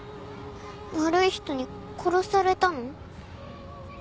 悪い人に殺されたの？